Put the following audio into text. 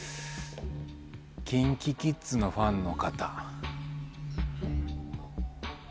ＫｉｎＫｉＫｉｄｓのファンの方。